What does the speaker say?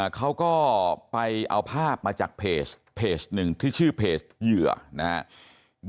เขาก็ไปเอาภาพมาจากเพจหนึ่งที่ชื่อเพจเหยื่อนะครับ